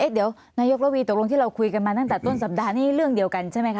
เดี๋ยวนายกระวีตกลงที่เราคุยกันมาตั้งแต่ต้นสัปดาห์นี้เรื่องเดียวกันใช่ไหมคะ